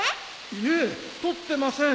いえ撮ってません。